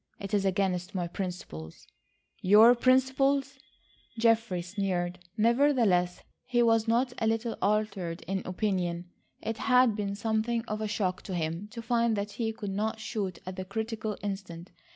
It is against my principles." "Your principles!" Geoffrey sneered. Nevertheless, he was not a little altered in opinion. It had been something of a shock to him to find that he could not shoot at the critical instant.